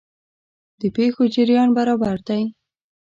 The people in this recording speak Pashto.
د پېښو جریان برابر دی.